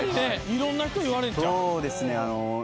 いろんな人にいわれんちゃう？